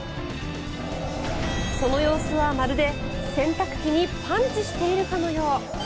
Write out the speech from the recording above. その様子はまるで洗濯機にパンチしているかのよう。